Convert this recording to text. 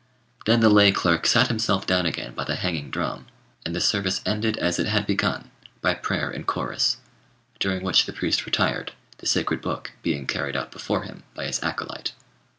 Then the lay clerk sat himself down again by the hanging drum; and the service ended as it had begun, by prayer in chorus, during which the priest retired, the sacred book being carried out before him by his acolyte.